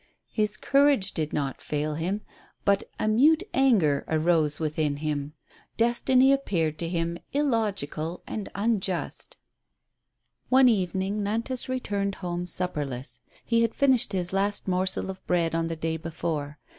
His courage did not fail him ; but a mute anger arose within him. Des tiny appeared to him illogical and unjust. One evening Nantas returned home supperless. He had finished his last morsel of bread on the day before.